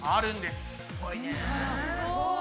すごい！